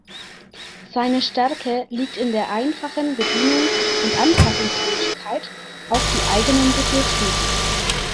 Seine Stärke liegt in der einfachen Bedienung und Anpassungsfähigkeit auf die eigenen Bedürfnisse.